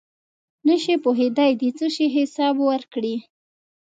نشی پوهېږي د څه شي حساب ورکړي.